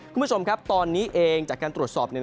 คุณผู้ชมครับตอนนี้เองจากการตรวจสอบ